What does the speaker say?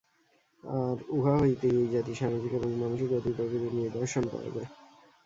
আর উহা হইতেই ঐ জাতির সামাজিক এবং মানসিক গতি-প্রকৃতির নিদর্শন পাওয়া যায়।